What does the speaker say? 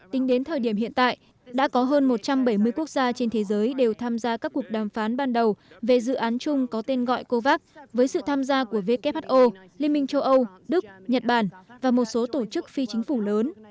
tính đến thời điểm hiện tại đã có hơn một trăm bảy mươi quốc gia trên thế giới đều tham gia các cuộc đàm phán ban đầu về dự án chung có tên gọi covax với sự tham gia của who liên minh châu âu đức nhật bản và một số tổ chức phi chính phủ lớn